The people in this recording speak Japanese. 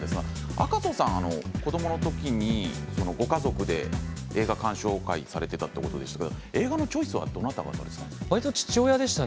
赤楚さんは子どもの時にご家族で映画鑑賞会されていたということでしたけれど映画のチョイスは誰がやっていたんですか？